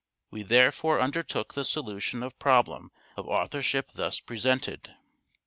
We therefore undertook the solution of problem of authorship thus presented.